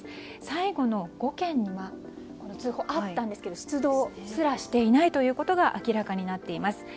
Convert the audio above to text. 最後の５件にはこの通報あったんですけど出動すらしていないということが明らかになっています。